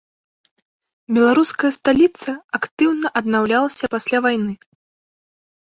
Беларуская сталіца актыўна аднаўлялася пасля вайны.